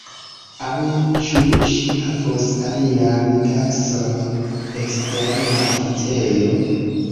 Aŭ ĉu ŝi havos alian taskon, ekster la oficejo?